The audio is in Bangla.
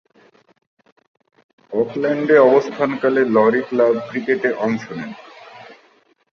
অকল্যান্ডে অবস্থানকালে লরি ক্লাব ক্রিকেটে অংশ নেন।